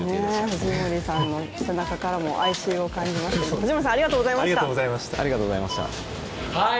藤森さんの背中からも哀愁を感じます、ありがとうございました。